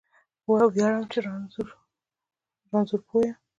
ویاړم چې رانځور پوه یم